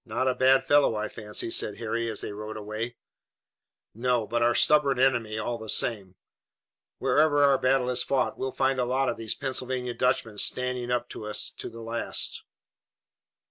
"Not a bad fellow, I fancy," said Harry, as they rode away. "No, but our stubborn enemy, all the same. Wherever our battle is fought we'll find a lot of these Pennsylvania Dutchmen standing up to us to the last."